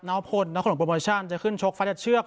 น้องพลน้องคนของโปรโมชั่นจะขึ้นชกฟ้าจากเชือก